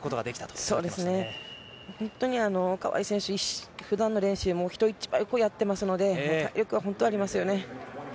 そうですね、本当に川井選手、ふだんの練習も人一倍やってますので、体力は本当ありますよね。